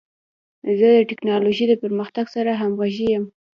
زه د ټکنالوژۍ د پرمختګ سره همغږی یم.